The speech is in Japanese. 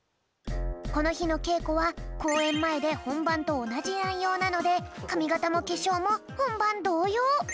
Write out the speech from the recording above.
このひのけいこはこうえんまえでほんばんとおなじないようなのでかみがたもけしょうもほんばんどうよう！